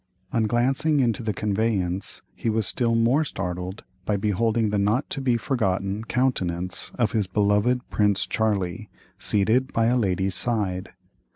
On glancing into the conveyance he was still more startled by beholding the not to be forgotten countenance of his beloved "Prince Charlie," seated by a lady's side.